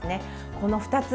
この２つ。